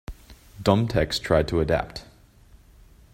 Domtex tried to adapt.